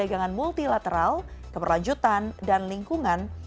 perdagangan multilateral keperlanjutan dan lingkungan